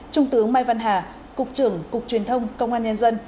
trung tướng mai văn hà cục trưởng cục truyền thông công an nhân dân